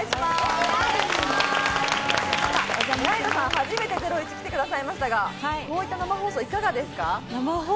初めて『ゼロイチ』に来てくださいましたが、こういった生放送、いかがですか？